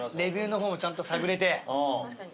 確かに。